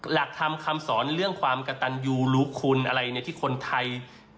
หลักธรรมคำสอนเรื่องความกระตันยูรู้คุณอะไรที่คนไทย